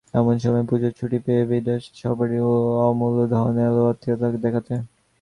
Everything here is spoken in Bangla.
এমন সময়ে পুজোর ছুটি পেয়ে বিপ্রদাসের সহপাঠি অমূল্যধন এল আত্মীয়তা দেখাতে।